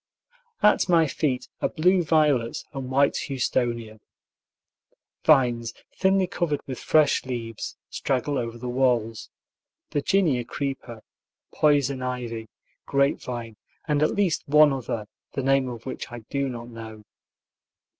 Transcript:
At my feet are blue violets and white houstonia. Vines, thinly covered with fresh leaves, straggle over the walls, Virginia creeper, poison ivy, grapevine, and at least one other, the name of which I do not know.